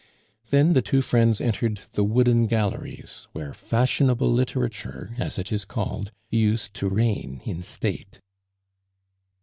Then the two friends entered the Wooden Galleries, where fashionable literature, as it is called, used to reign in state.